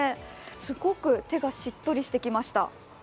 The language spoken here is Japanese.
すごく手がしっとりしてきました。